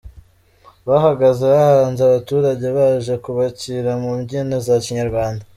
Bahageze bahasanze abaturage baje kubakira mu mbyino za Kinyarwanda.